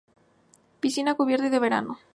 Piscina cubierta y de verano.